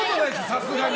さすがに。